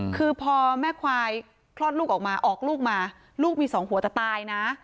คือพอแม่ควายคลอดลูกออกมาออกลูกมาลูกมีสองหัวจะตายนะ